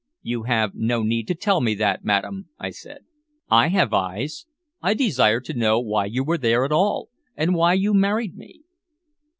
"You have no need to tell me that, madam," I said. "I have eyes. I desire to know why you were there at all, and why you married me."